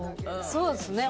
そうですね。